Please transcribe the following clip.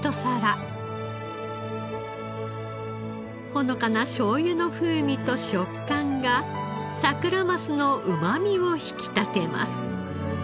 ほのかな醤油の風味と食感がサクラマスのうまみを引き立てます。